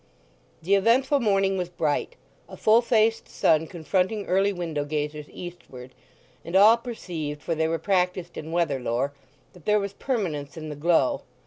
The eventful morning was bright, a full faced sun confronting early window gazers eastward, and all perceived (for they were practised in weather lore) that there was permanence in the glow.